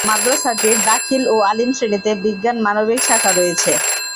মাদ্রাসাটির দাখিল ও আলিম শ্রেণীতে বিজ্ঞান, মানবিক শাখা রয়েছে।